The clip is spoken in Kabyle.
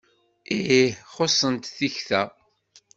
Ih, xuṣṣent tikta.